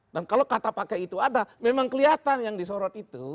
dan kalau kata pakai itu ada memang kelihatan yang disorot itu